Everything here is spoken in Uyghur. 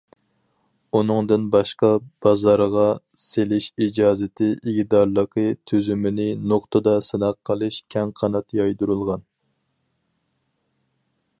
ئۇنىڭدىن باشقا، بازارغا سېلىش ئىجازىتى ئىگىدارلىقى تۈزۈمىنى نۇقتىدا سىناق قىلىش كەڭ قانات يايدۇرۇلغان.